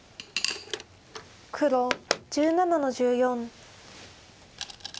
黒１７の十四。